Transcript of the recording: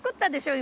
今。